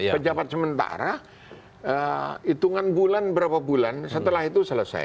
pejabat sementara hitungan bulan berapa bulan setelah itu selesai